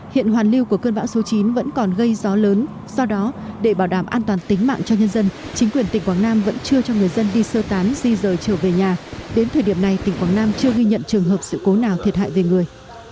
hiện hoàn lưu của cơn bão số chín vẫn còn gây gió lớn do đó để bảo đảm an toàn tính mạng cho nhân dân chính quyền tỉnh quảng nam vẫn chưa cho người dân đi sơ tán di rời trở về nhà đến thời điểm này tỉnh quảng nam chưa ghi nhận trường hợp sự cố nào thiệt hại về người